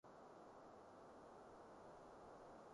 你过嚟系唔系混吉